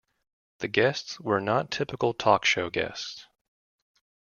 The guests were not typical talk show guests.